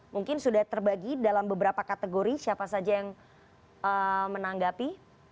mungkin sudah terbagi dalam beberapa kategori siapa saja yang menanggapi